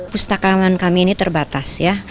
pustakawan kami ini terbatas ya